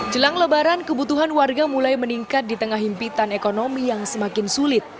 jelang lebaran kebutuhan warga mulai meningkat di tengah himpitan ekonomi yang semakin sulit